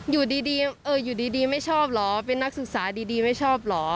อยู่ดีอยู่ดีไม่ชอบเหรอเป็นนักศึกษาดีไม่ชอบเหรอ